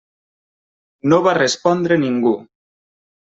No va respondre ningú.